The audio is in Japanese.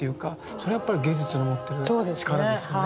それはやっぱり芸術の持ってる力ですよね。